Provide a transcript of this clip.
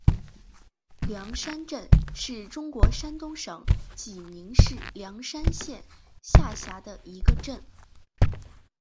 梁山镇是中国山东省济宁市梁山县下辖的一个镇。